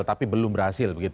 tapi belum berhasil begitu